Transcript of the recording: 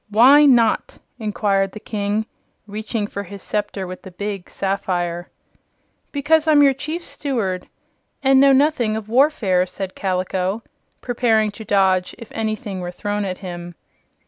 "Why not?" inquired the King, reaching for his scepter with the big sapphire. "Because I'm your Chief Steward and know nothing of warfare," said Kaliko, preparing to dodge if anything were thrown at him.